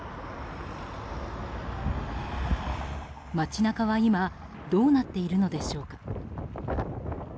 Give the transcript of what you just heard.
街中は今どうなっているのでしょうか。